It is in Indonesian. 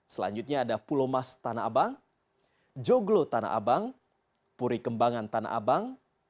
selanjutnya ada pulau mas tanah abang joglo tanah abang puri kembangan tanah abang